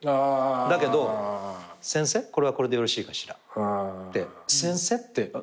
だけど「先生これはこれでよろしいかしら」って「先生」って。